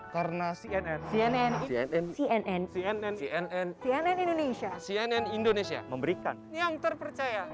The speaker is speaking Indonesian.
karena cnn indonesia memberikan yang terpercaya